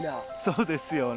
そうですよね。